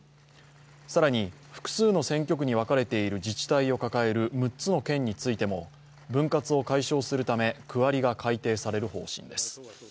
更に、複数の選挙区に分かれている自治体を抱える６つの県についても分割を解消するため、区割りが改定される方針です。